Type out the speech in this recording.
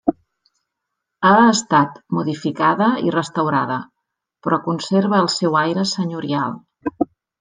Ha estat modificada i restaurada, però conserva el seu aire senyorial.